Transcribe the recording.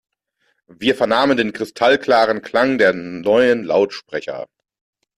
Wir vernahmen den kristallklaren Klang der neuen Lautsprecher.